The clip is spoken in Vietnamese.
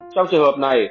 trong trường hợp này